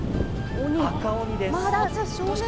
赤鬼です。